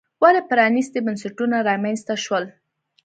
ولې پرانیستي بنسټونه رامنځته شول.